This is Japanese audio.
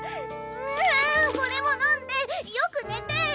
ああこれも飲んでよく寝て！